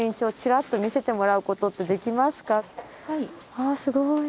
あっすごい。